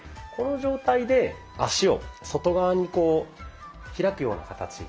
この状態で足を外側にこう開くような形。